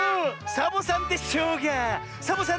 サボさんで「しょうが」！